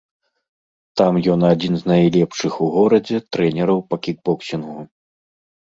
Там ён адзін з найлепшых у горадзе трэнераў па кікбоксінгу.